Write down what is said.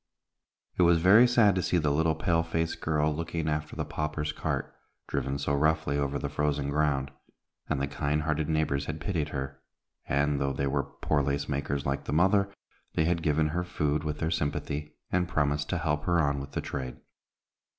It was very sad to see the little pale faced child looking after the paupers' cart, driven so roughly over the frozen ground, and the kind hearted neighbors had pitied her, and, though they were poor lace makers like the mother, they had given her food with their sympathy, and promised to help her on with the trade.